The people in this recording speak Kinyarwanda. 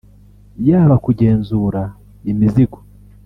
yaba kugenzura imizigo